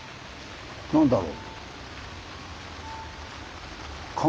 何だろう。